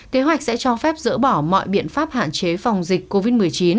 kế hoạch sẽ cho phép dỡ bỏ mọi biện pháp hạn chế phòng dịch covid một mươi chín